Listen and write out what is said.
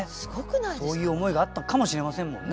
そういう思いがあったかもしれませんもんね。